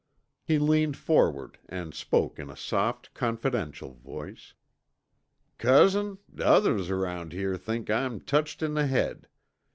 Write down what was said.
He leaned forward and spoke in a soft confidential voice. "Cousin, t'others around here think I'm tetched in the head.